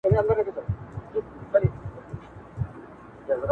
او مرسته مي ځني وغوښتله